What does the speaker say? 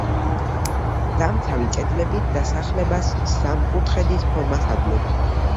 დამცავი კედლები დასახლებას სამკუთხედის ფორმას აძლევს.